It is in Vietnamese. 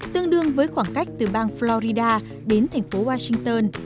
tương đương với khoảng cách từ bang florida đến thành phố washington